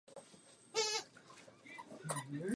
Země západního Balkánu jsou případ sám pro sebe.